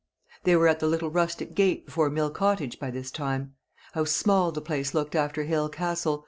They were at the little rustic gate before Mill Cottage by this time. How small the place looked after Hale Castle!